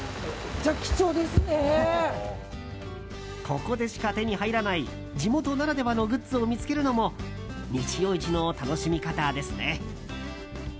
ここでしか手に入らない地元ならではのグッズを見つけるのも日曜市の楽しみ方ですね。